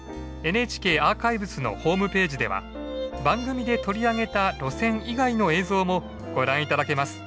ＮＨＫアーカイブスのホームページでは番組で取り上げた路線以外の映像もご覧頂けます。